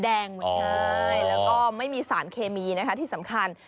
อันถักนั้นมีเขาจะเป็นดินแดง